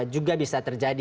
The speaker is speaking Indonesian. juga bisa terjadi